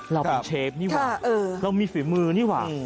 เราเป็นเชฟนี่ว่ะเรามีฝีมือนี่ว่ะ